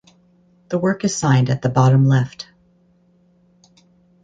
The work is signed at the bottom left.